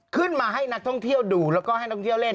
ให้นักท่องเที่ยวดูแล้วก็ให้นักท่องเที่ยวเล่น